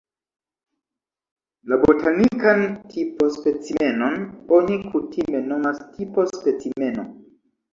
La botanikan tipo-specimenon oni kutime nomas "tipo-specimeno".